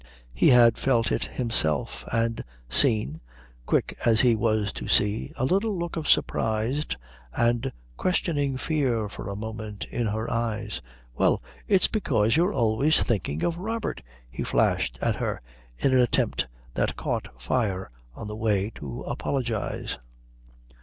He had felt it himself, and seen, quick as he was to see, a little look of surprised and questioning fear for a moment in her eyes. "Well, it's because you're always thinking of Robert," he flashed at her in an attempt that caught fire on the way to apologise.